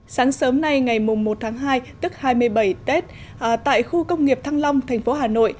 sáng sớm nay ngày một tháng hai tức hai mươi bảy tết tại khu công nghiệp thăng long thành phố hà nội